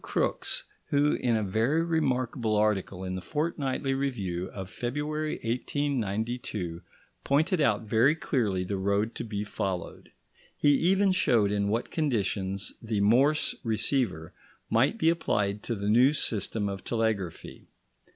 Crookes who, in a very remarkable article in the Fortnightly Review of February 1892, pointed out very clearly the road to be followed. He even showed in what conditions the Morse receiver might be applied to the new system of telegraphy.